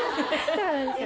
そうなんですよ